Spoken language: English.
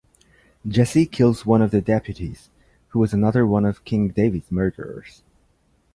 Jessie kills one of the deputies, who was another one of King David's murderers.